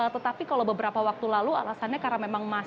tetapi kalau beberapa waktu lalu alasannya karena memang masih